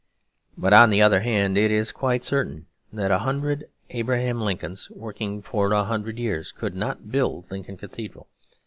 But on the other hand, it is quite certain that a hundred Abraham Lincolns, working for a hundred years, could not build Lincoln Cathedral.